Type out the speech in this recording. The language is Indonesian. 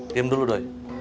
diam dulu doi